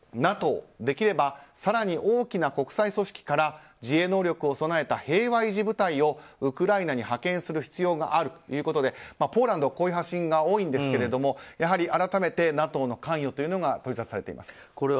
ＮＡＴＯ、できれば更に大きな国際組織から自衛能力を備えた平和維持部隊をウクライナに派遣する必要があるということでポーランドはこういう発信が多いですがやはり改めてＮＡＴＯの関与が取り沙汰されています。